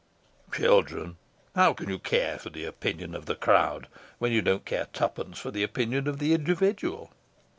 "Children. How can you care for the opinion of the crowd, when you don't care twopence for the opinion of the individual?"